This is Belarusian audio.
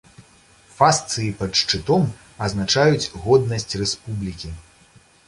Фасцыі пад шчытом азначаюць годнасць рэспублікі.